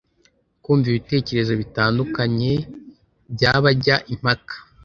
kumva ibitekerezo bitandukanye by’abajya impaka